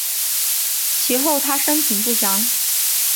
其后他生平不详。